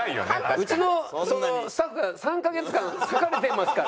うちのスタッフが３カ月間割かれていますから。